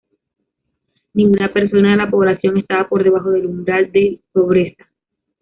Ninguna persona de la población estaba por debajo del umbral de pobreza.